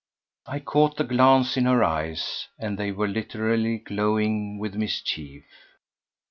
I caught the glance in her eyes, and they were literally glowing with mischief.